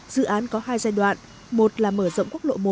dự án có hai giai đoạn một là mở rộng quốc lộ một